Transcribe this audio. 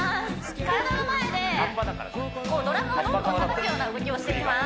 体の前でドラムをドンドン叩くような動きをしていきます